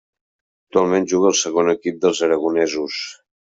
Actualment juga al segon equip dels aragonesos.